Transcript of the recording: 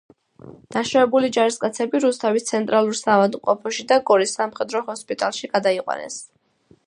დაშავებული ჯარისკაცები რუსთავის ცენტრალურ საავადმყოფოში და გორის სამხედრო ჰოსპიტალში გადაიყვანეს.